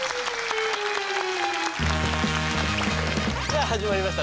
さあ始まりました